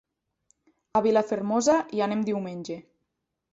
A Vilafermosa hi anem diumenge.